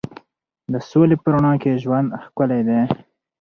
د سولې په رڼا کې ژوند ښکلی دی.